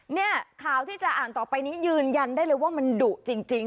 เนี่ยข่าวที่จะอ่านต่อไปนี้ยืนยันได้เลยว่ามันดุจริง